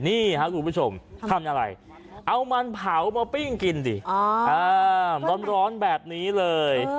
นี่ครับคุณผู้ชมทำอะไรเอามันเผามาปิ้งกินดิร้อนแบบนี้เลย